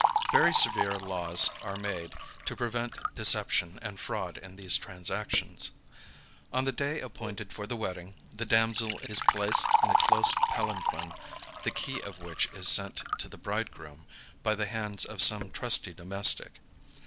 Very severe laws are made to prevent deception and fraud in these transactions. On the day appointed for the wedding the damsel is placed in a close palanquin the key of which is sent to the bridegroom, by the hands of some trusty domestic.